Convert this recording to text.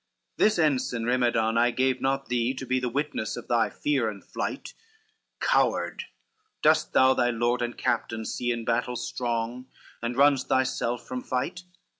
CX "This ensign, Rimedon, I gave not thee To be the witness of thy fear and flight, Coward, dost thou thy lord and captain see In battle strong, and runn'st thyself from fight?